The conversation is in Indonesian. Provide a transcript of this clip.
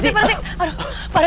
aduh pak rete